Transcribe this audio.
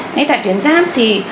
ngay tại tuyến giáp thì